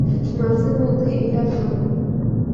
মাঝেমধ্যে এটা ভালো।